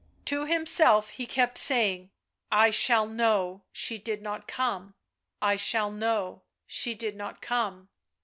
To himself he kept saying : u I shall know, she did not come ; I shall know, she did not come."